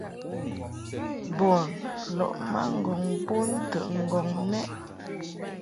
Bun lɔʼ ma ŋgɔŋ bon ntəʼŋgɔŋ mɛʼ.